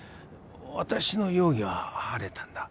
私の容疑は晴れたんだ